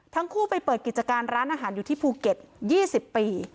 ทั้งคู่ไปเปิดกิจการร้านอาหารอยู่ที่ภูเก็ต๒๐ปี